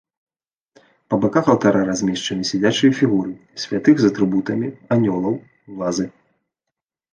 Па баках алтара размешчаны сядзячыя фігуры святых з атрыбутамі, анёлаў, вазы.